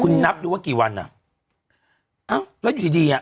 คุณนับดูว่ากี่วันอ่ะอ้าวแล้วอยู่ดีอ่ะ